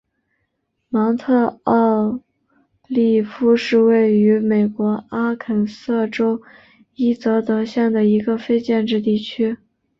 芒特奥利夫是位于美国阿肯色州伊泽德县的一个非建制地区。